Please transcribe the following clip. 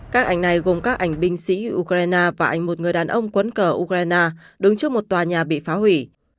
các ảnh này gồm các ảnh binh sĩ ukraine và anh một người đàn ông quấn cờ ukraine đứng trước một tòa nhà bị phá hủy